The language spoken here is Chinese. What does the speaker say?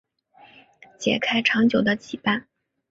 解开长久的羁绊